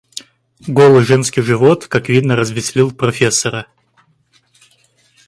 Голый женский живот, как видно, развеселил профессора.